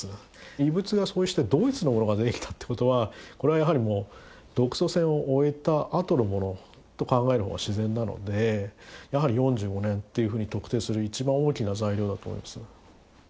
遺物がそうしてドイツのものが出てきたってことはこれはやはり独ソ戦を終えたあとのものと考えるのが自然なのでやはり４５年というふうに特定する一番大きな材料だと思います。